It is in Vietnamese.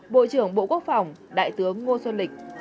bộ trưởng bộ quốc phòng đại tướng ngô xuân lịch